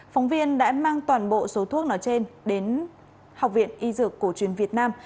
phóng viên đã mang toàn bộ số thuốc nói trên đến học viện y dược cổ truyền việt nam